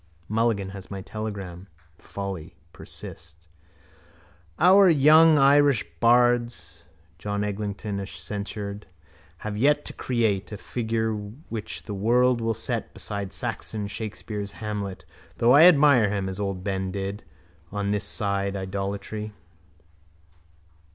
Mulligan has my telegram. Folly. Persist. —Our young Irish bards, John Eglinton censured, have yet to create a figure which the world will set beside Saxon Shakespeare's Hamlet though I admire him, as old Ben did, on this side idolatry.